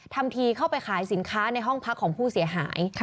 ทำทีเข้าไปขายสินค้าในห้องพักของผู้เสียหาย